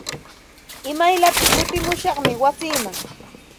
Imayllapis kutimushaqmi wasiiman.